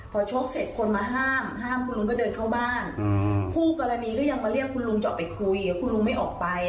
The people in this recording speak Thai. พอชกเสร็จคนมาห้ามห้ามคุณลุงก็เดินเข้าบ้านคู่กรณีก็ยังมาเรียกคุณลุงจะออกไปคุยคุณลุงไม่ออกไป